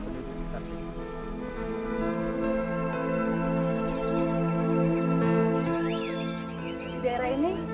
di daerah ini